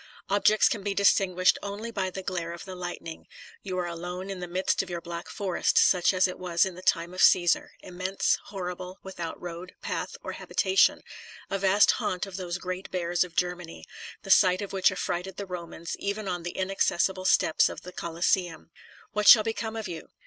Objects can be distin guished only by the glare of the lightning. You are alone in the midst of your Black Forest, such as it was in the time of Caesar, immense, horrible, without road, path, or habitation, a vast haunt of those great bears of Germany, the sight of which affrighted the Romans, even on the inaccessible steps of the Coliseum. What shall become of you?